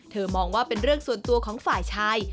มองว่าเป็นเรื่องส่วนตัวของฝ่ายชาย